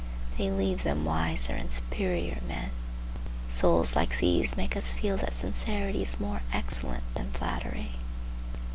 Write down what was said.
They leave them wiser and superior men. Souls like these make us feel that sincerity is more excellent than flattery.